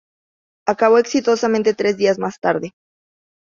Acabó exitosamente tres días más tarde.